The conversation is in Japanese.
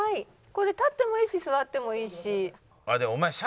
これ立ってもいいし座ってもいいし。